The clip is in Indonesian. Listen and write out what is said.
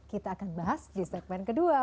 kita akan bahas di segmen kedua